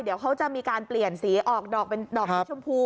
เดี๋ยวเขาจะมีการเปลี่ยนสีออกดอกเป็นดอกสีชมพู